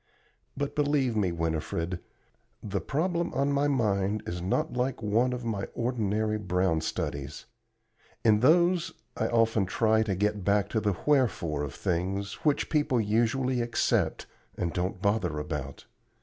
But believe me, Winifred, the problem on my mind is not like one of my ordinary brown studies; in those I often try to get back to the wherefore of things which people usually accept and don't bother about.